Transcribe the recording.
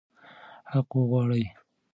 حق وغواړئ.